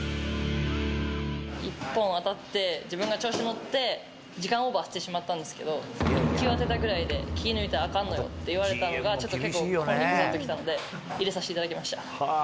１本当たって、自分が調子乗って、時間オーバーしてしまったんですけど、一球当てたぐらいで気抜いたらアカンのよって言われたのが、ちょっと結構、心にぐさっときたので、入れさせていただきました。